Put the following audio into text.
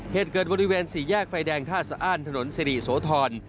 เหตุเกิดบริเวณสี่แยกไฟแดงท่าสะอ้านถนนสิริโสธร